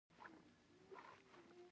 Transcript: د ورانه د مخې عضله منقبض کېږي.